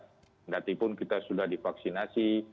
tidak tipun kita sudah divaksinasi